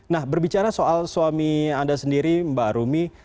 nah berbicara soal suami anda sendiri mbak rumi